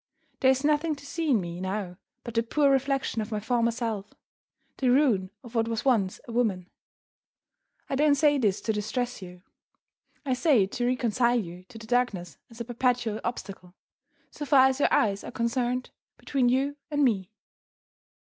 There is nothing to see in me now but the poor reflection of my former self; the ruin of what was once a woman. I don't say this to distress you I say it to reconcile you to the darkness as a perpetual obstacle, so far as your eyes are concerned, between you and me.